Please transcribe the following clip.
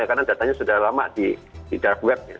karena datanya sudah lama di dark web